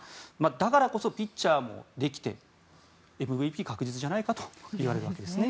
だからこそ、ピッチャーもできてＭＶＰ確実じゃないかといわれるわけですね。